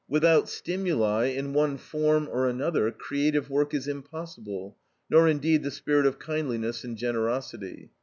Without stimuli, in one form or another, creative work is impossible, nor indeed the spirit of kindliness and generosity.